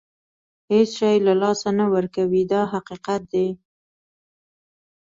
هېڅ شی له لاسه نه ورکوي دا حقیقت دی.